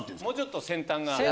もうちょっと先端が。